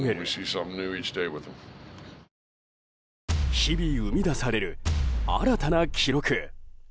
日々生み出される新たな記録。